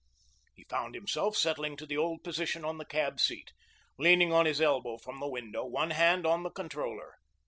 He found himself settling to the old position on the cab seat, leaning on his elbow from the window, one hand on the controller.